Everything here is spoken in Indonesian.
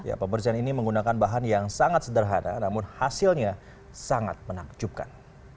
ya pembersihan ini menggunakan bahan yang sangat sederhana namun hasilnya sangat menakjubkan